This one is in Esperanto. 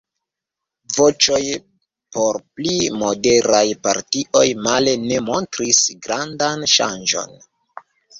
Voĉoj por pli moderaj partioj male ne montris grandan ŝanĝon.